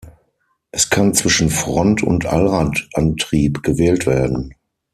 Es kann zwischen Front- und Allradantrieb gewählt werden.